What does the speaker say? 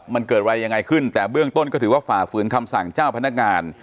มันเกิดอะไรยังไงขึ้นแต่เบื้องต้นก็ถือว่าฝ่าฝืนคำสั่งเจ้าพนักงาน